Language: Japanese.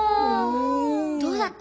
どうだった？